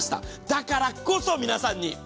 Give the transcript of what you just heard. だからこそ皆さんに。